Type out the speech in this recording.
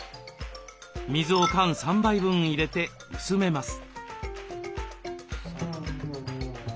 水を缶３杯分入れて薄めます。